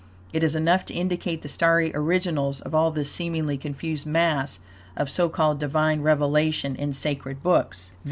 It is enough to indicate the starry originals of all this seemingly confused mass of so called Divine revelation in sacred books.